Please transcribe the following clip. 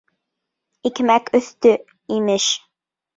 — Икмәк өҫтө, имеш.